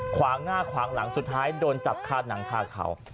ขวางหน้าขวางหลังสุดท้ายโดนจับคาหนังคาเขา